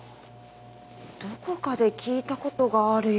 どこかで聞いた事があるような。